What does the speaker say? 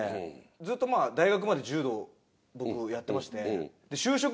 ずっと大学まで柔道を僕やってまして。